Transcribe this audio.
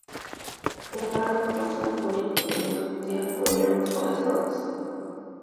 La hermana "Norma" es una modelo profesional y tiene problemas con las drogas.